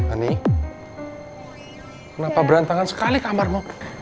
ani kenapa berantangan sekali kamarmu